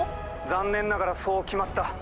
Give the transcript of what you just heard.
残念ながらそう決まった。